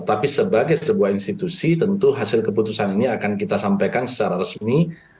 tapi sebagai sebuah institusi tentu hasil keputusan ini akan kita sampaikan secara resmi